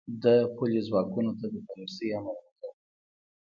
د پلیو ځواکونو ته د تیارسئ امر وکړ.